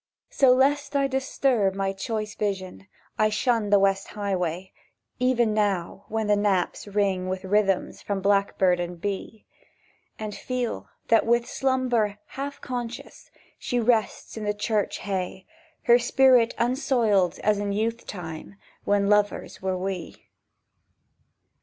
So, lest I disturb my choice vision, I shun the West Highway, Even now, when the knaps ring with rhythms From blackbird and bee; And feel that with slumber half conscious She rests in the church hay, Her spirit unsoiled as in youth time When lovers were we.